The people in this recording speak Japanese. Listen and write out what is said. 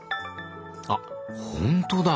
あっほんとだ！